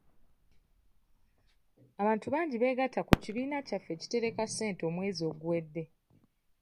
Abantu bangi beegatta ku kibiina kyaffe ekitereka ssente omwezi oguwedde.